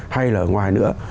hay là ở ngoài nữa